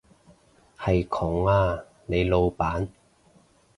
係窮啊，你老闆